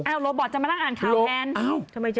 โรบอตจะมานั่งอ่านข่าวแทน